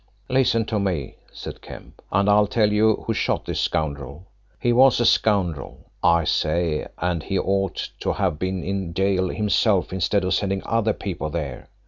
"Listen to me," said Kemp, "and I'll tell you who shot this scoundrel. He was a scoundrel, I say, and he ought to have been in gaol himself instead of sending other people there.